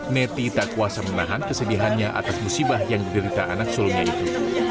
neti tak kuasa menahan kesedihannya atas musibah yang diderita anak sulungnya itu